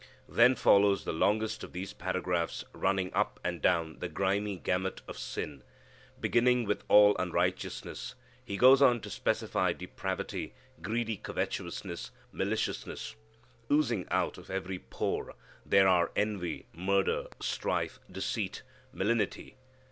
Then follows the longest of these paragraphs running up and down the grimy gamut of sin. Beginning with all unrighteousness, he goes on to specify depravity, greedy covetousness, maliciousness. Oozing out of every pore there are envy, murder, strife, deceit, malignity.